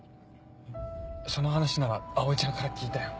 その話なら葵ちゃんから聞いたよ。